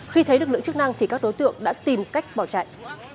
khi thấy lực lượng chức năng thì các đối tượng đã tìm cách bỏ chạy